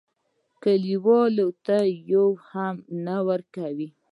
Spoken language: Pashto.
کلیوالو ته یوه هم نه ورکوي.